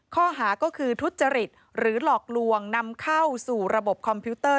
ข้อหาก็คือทุจริตหรือหลอกลวงนำเข้าสู่ระบบคอมพิวเตอร์